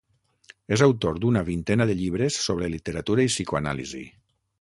És autor d'una vintena de llibres sobre literatura i psicoanàlisi.